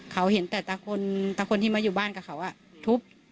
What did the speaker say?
เขาเห็นแต่ตาคนที่มาอยู่บ้านกับเขาทุบ